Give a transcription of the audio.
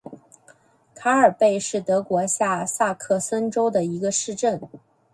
卡尔贝是德国下萨克森州的一个市镇。